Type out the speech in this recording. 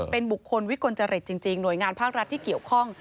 เป็นบุคคลวิกลจริตจริงหน่วยงานภาครัฐที่เกี่ยวข้อง